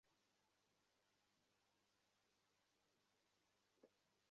লোকে ভবানীচরণকে অকারণে ভয় করিত।